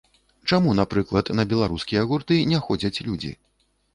Чаму, напрыклад, на беларускія гурты не ходзяць людзі?